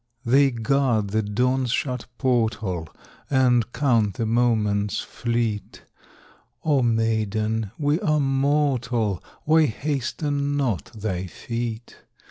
They guard the dawn's shut portal And count the moments fleet, O maiden, we are mortal, Why hasten not thy feet?